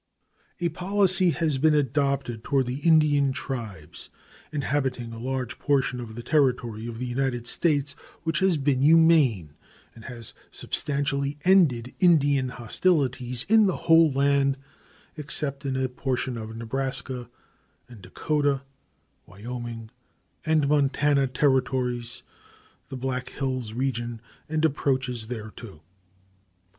A policy has been adopted toward the Indian tribes inhabiting a large portion of the territory of the United States which has been humane and has substantially ended Indian hostilities in the whole land except in a portion of Nebraska, and Dakota, Wyoming, and Montana Territories the Black Hills region and approaches thereto.